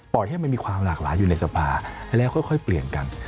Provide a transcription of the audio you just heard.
ให้มันมีความหลากหลายอยู่ในสภาแล้วค่อยเปลี่ยนกัน